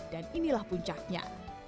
dan inilah puncaknya